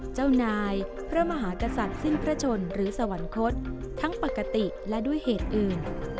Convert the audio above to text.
เจ้านายพระมหากษัตริย์สิ้นพระชนหรือสวรรคตทั้งปกติและด้วยเหตุอื่น